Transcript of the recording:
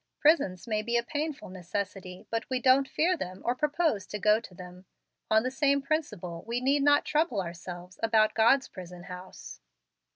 Prisons may be a painful necessity, but we don't fear them or propose to go to them. On the same principle we need not trouble ourselves about God's prison house."